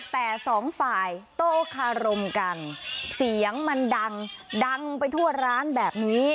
แต่สองฝ่ายโต้คารมกันเสียงมันดังดังไปทั่วร้านแบบนี้